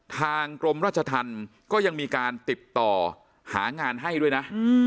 ทางกรมราชธรรมก็ยังมีการติดต่อหางานให้ด้วยนะ